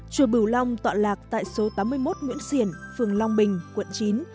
chùa bửu long tọa lạc tại số tám mươi một nguyễn xiển phường long bình quận chín